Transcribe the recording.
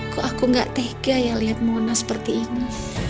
kok aku gak tega ya lihat monas seperti ini